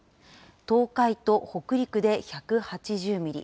東海と北陸で１８０ミリ。